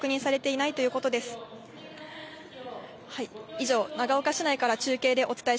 以上、長岡市内から中継でお伝え